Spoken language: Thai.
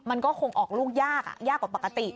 มันก็คงออกลูกยากยากกว่าปกติ